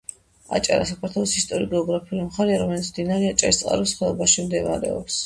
აჭარა საქართველოს ისტორიულ-გეოგრაფიული მხარეა, რომელიც მდინარე აჭარისწყლის ხეობაში მდებარეობს.